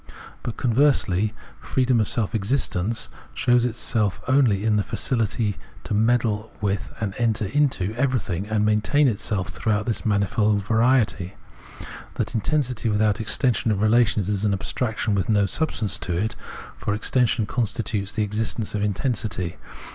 But, conversely, freedom of self exist ence {Filrsicliseyn) shows itself only in the faciUty to meddle with and enter into everything, and maintain itself throughout this manifold variety. That intensity without extension of relations is an abstraction with no substance in it, for extension constitutes the existence of intensity.